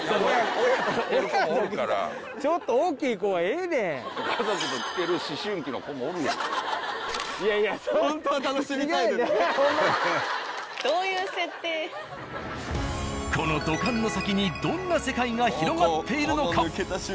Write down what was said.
ちょっとこの土管の先にどんな世界が広がっているのか。